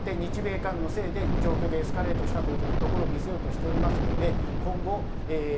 それによって日米間のせいで状況がエスカレートしたというのを見せようとしております。